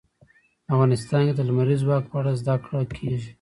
افغانستان کې د لمریز ځواک په اړه زده کړه کېږي.